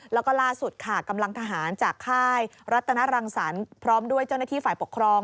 แล้วก็ล่าสุดค่ะกำลังทหารจากค่ายรัตนรังสรรค์พร้อมด้วยเจ้าหน้าที่ฝ่ายปกครอง